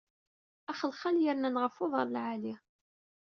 Axelxal yernan ɣef uḍar lɛali.